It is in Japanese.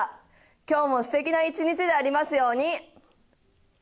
今日もすてきな一日でありますように。